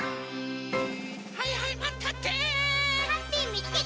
はいはいマンたって！